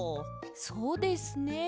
そうですね。